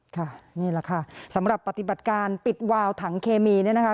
ค่ะนี่แหละค่ะสำหรับปฏิบัติการปิดวาวถังเคมีเนี่ยนะคะ